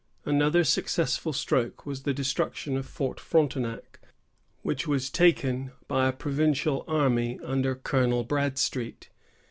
Another successful stroke was the destruction of Fort Frontenac, which was taken by a provincial army under Colonel Bradstreet.